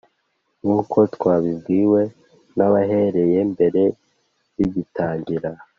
Nk uko twabibwiwe n abahereye mbere bigitangira